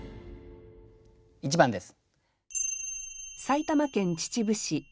１番です。